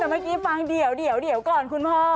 แต่เมื่อกี้ฟังเดี๋ยวก่อนคุณพ่อ